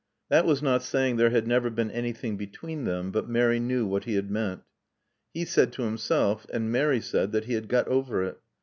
That was not saying there had never been anything between them, but Mary knew what he had meant. He said to himself, and Mary said that he had got over it.